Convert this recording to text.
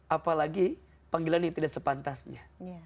apalagi panggilan yang tidak sepantasnya